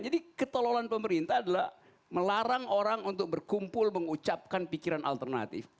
jadi ketelolan pemerintah adalah melarang orang untuk berkumpul mengucapkan pikiran alternatif